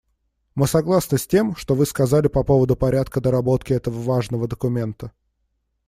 Мы согласны с тем, что Вы сказали по поводу порядка доработки этого важного документа.